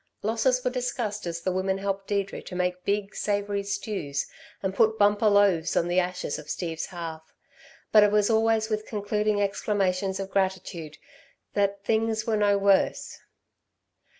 Losses were discussed as the women helped Deirdre to make big, savoury stews and put bumper loaves on the ashes of Steve's hearth, but it was always with concluding exclamations of gratitude that "things were no worse."